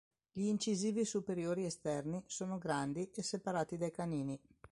Gli incisivi superiori esterni sono grandi e separati dai canini.